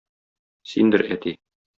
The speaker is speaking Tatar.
Синдер, әти.